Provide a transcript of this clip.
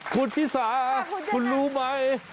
คุณชิสาคุณรู้ไหม